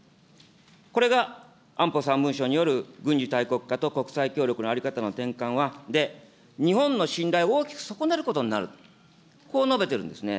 これが安保３文書による軍事大国化と国際協力の在り方の転換で、日本の信頼を大きく損なうことになると、こう述べているんですね。